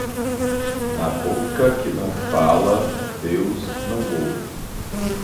Na boca que não fala, Deus não ouve.